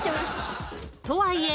［とはいえ